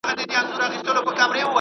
نه زلمي او پېغلي گډ كوي رقصونه !.